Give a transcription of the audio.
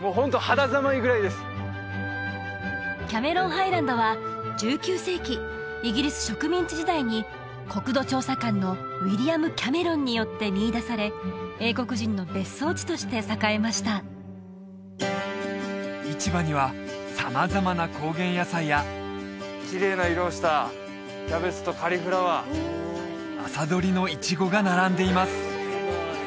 ハイランドは１９世紀イギリス植民地時代に国土調査官のウィリアム・キャメロンによって見いだされ英国人の別荘地として栄えました市場には様々な高原野菜やきれいな色をしたキャベツとカリフラワー朝採りのいちごが並んでいます